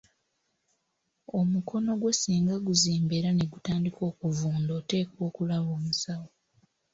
Omukono gwo singa guzimba era ne gutandika okuvunda oteekwa okulaba omusawo.